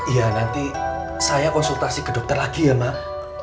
iya nanti saya konsultasi ke dokter lagi ya mak